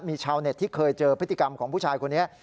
มีชาวเน็ตที่เคยเจอพฤติกรรมของผู้ชายคนนี้